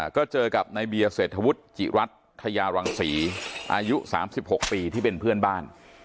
ก็เจอกับนายเบียเศรษฐวุฒิจิรัทธยาวังศรีอายุสามสิบหกปีที่เป็นเพื่อนบ้าน